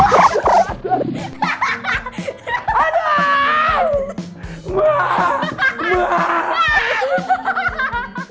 ketawa lagi yuk